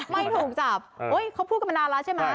ไม่ถูกจับเขาพูดกันมานานแล้วใช่ไหม